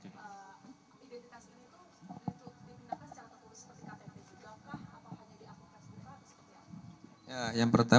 jika tidak apa yang diakui ps juga